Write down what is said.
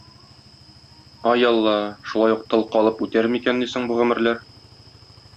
Ай, Алла, шулай ук тол калып үтәр микәнни соң бу гомерләр.